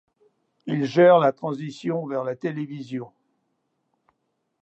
Il gère la transition vers la télévision.